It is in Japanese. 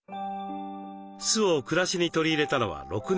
酢を暮らしに取り入れたのは６年前。